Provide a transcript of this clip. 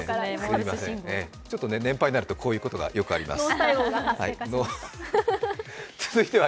ちょっとね、年配になるとこういうことがよくあります。